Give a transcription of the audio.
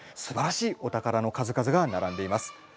すばらしいおたからの数々がならんでいます。